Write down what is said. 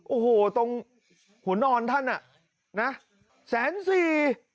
โอ้โหตรงหัวนอนท่านอ่ะนะแสนสี่